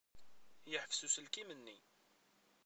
Yeḥbes uselkim-nni.